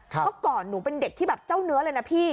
เมื่อก่อนหนูเป็นเด็กที่แบบเจ้าเนื้อเลยนะพี่